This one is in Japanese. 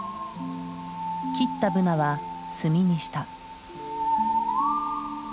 切ったブナは炭にした。